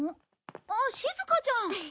あっしずかちゃん。